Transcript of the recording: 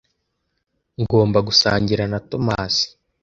Ngomba gusangira na Thomas.